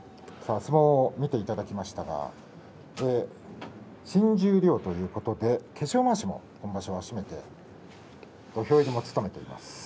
相撲を見ていただきましたが新十両ということで化粧まわしも今場所は締めて土俵入りも務めています。